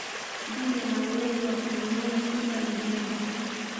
mbuni ana uwezo wa kumuua simba na binadamu